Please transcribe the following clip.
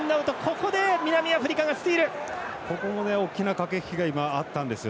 ここも大きな駆け引きが今、あったんですよ。